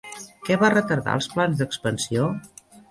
Què va retardar els plans d'expansió?